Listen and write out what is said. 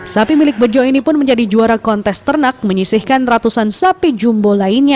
sapi milik bejo ini pun menjadi juara kontes ternak menyisihkan ratusan sapi jumbo lainnya